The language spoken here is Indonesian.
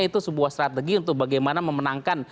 itu sebuah strategi untuk bagaimana memenangkan